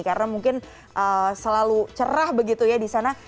karena mungkin selalu cerah begitu ya di sana